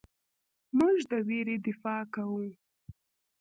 موږ د ویرې دفاع کوو.